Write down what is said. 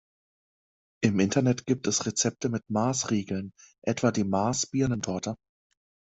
Im Internet gibt es Rezepte mit Mars-Riegeln, etwa die Mars-Birnen-Torte.